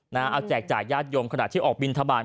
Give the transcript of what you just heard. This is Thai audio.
เอาแจกจ่ายญาติโยมขณะที่ออกบินทบาท